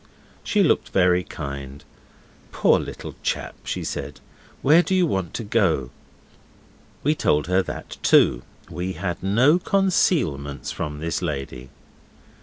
She looked very kind. 'Poor little chap,' she said. 'Where do you want to go?' We told her that too. We had no concealments from this lady.